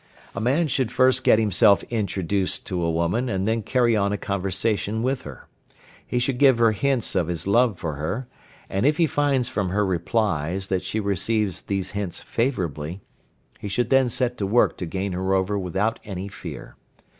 A man should first get himself introduced to a woman, and then carry on a conversation with her. He should give her hints of his love for her, and if he finds from her replies that she receives these hints favourably, he should then set to work to gain her over without any fear.